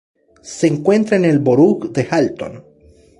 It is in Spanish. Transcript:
Se encuentra en el Borough de Halton.